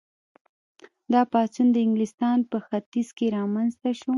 دا پاڅون د انګلستان په ختیځ کې رامنځته شو.